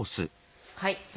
はい。